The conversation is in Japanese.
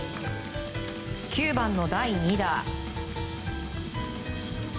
９番の第２打。